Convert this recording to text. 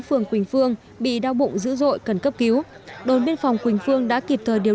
phường quỳnh phương bị đau bụng dữ dội cần cấp cứu đồn biên phòng quỳnh phương đã kịp thời điều